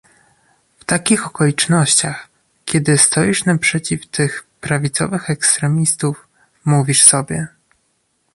W takich okolicznościach, kiedy stoisz naprzeciw tych prawicowych ekstremistów, mówisz sobie